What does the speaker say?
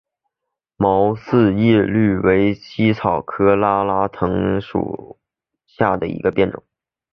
毛四叶葎为茜草科拉拉藤属下的一个变种。